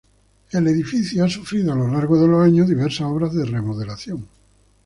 La catedral ha sufrido a lo largo de los años diversas obras de remodelación.